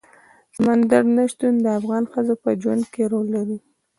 سمندر نه شتون د افغان ښځو په ژوند کې رول لري.